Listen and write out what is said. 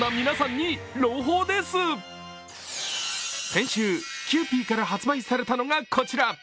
先週、キユーピーから発売されたのがこちら。